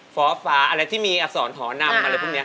ฮฟาอะไรที่มีอักษรฮนำอะไรพวกนี้ค่ะ